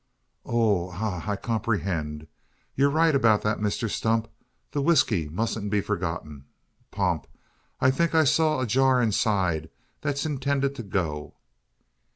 "Oh ah I comprehend. You're right about that, Mr Stump. The whisky mustn't be forgotten, Pomp. I think I saw a jar inside, that's intended to go?"